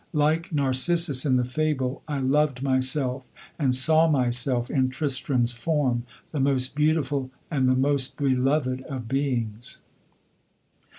Like Narcissus in the fable, I loved myself, and saw myself, in Tristram's form, the most beautiful and the most beloved of beings.